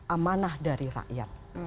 amanah dari rakyat